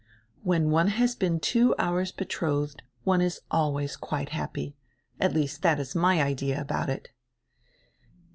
"When one has been two hours betrodied, one is always quite happy. At least, diat is my idea about it."